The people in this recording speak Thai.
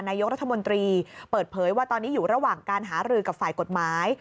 นายกรัฐมนตรีเปิดเผยว่าตอนนี้อยู่ระหว่างการหารือกับฝ่ายกฎหมาย